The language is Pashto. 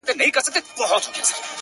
یو صوفي یو قلندر سره یاران وه!.